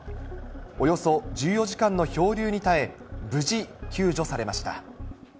およそ１４時間の漂流に耐え、無事救助されました。